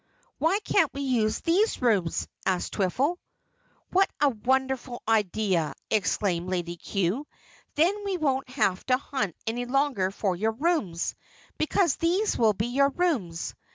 "Why can't we use these rooms?" asked Twiffle. "What a wonderful idea," exclaimed Lady Cue. "Then we won't have to hunt any longer for your rooms, because these will be your rooms.